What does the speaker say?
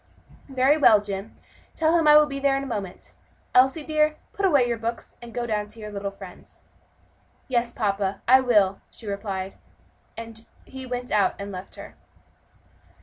"Very well, Jim, tell him I will be there in a moment. Elsie, dear, put away your books, and go down to your little friends." "Yes, papa, I will," she replied, as he went out and left her.